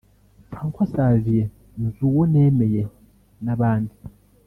Francois Xavier Nzuwonemeye n’abandi